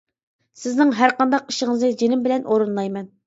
سىزنىڭ ھەر قانداق ئىشىڭىزنى جېنىم بىلەن ئورۇنلايمەن.